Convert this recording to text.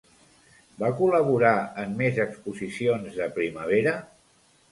Va col·laborar en més Exposicions de Primavera?